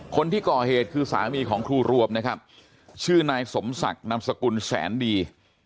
คนที่ก่อเหตุคือสามีของครูรวมนะครับชื่อนายสมศักดิ์นามสกุลแสนดี